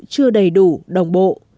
chưa đầy đủ đồng bộ